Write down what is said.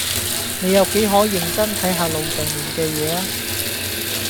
你有幾可認真睇下路上面嘅嘢吖